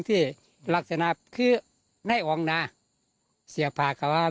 ที่ลักษณะคือไน่อ่องนะเหลือฟากกับแล้ว